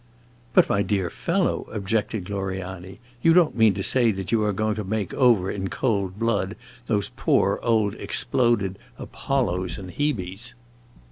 "But, my dear fellow," objected Gloriani, "you don't mean to say you are going to make over in cold blood those poor old exploded Apollos and Hebes."